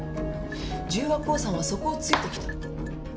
十和興産はそこを突いてきた。